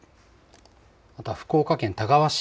あとは福岡県田川市